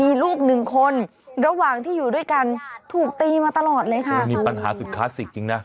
มีลูกหนึ่งคนระหว่างที่อยู่ด้วยกันถูกตีมาตลอดเลยค่ะมีปัญหาสุดคลาสสิกจริงนะ